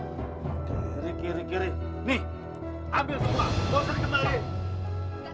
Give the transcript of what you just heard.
kiri kiri kiri nih ambil semua bosan kembali